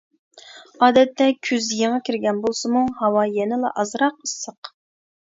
ئادەتتە كۈز يېڭى كىرگەن بولسىمۇ ھاۋا يەنىلا ئازراق ئىسسىق.